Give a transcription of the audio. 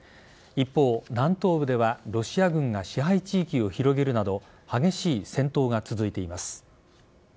一方、南東部ではロシア軍が支配地域を広げるなど激しい戦闘が続いています。